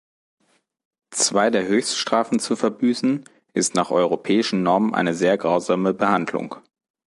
Zwei der Höchststrafen zu verbüßen, ist nach europäischen Normen eine sehr grausame Behandlung.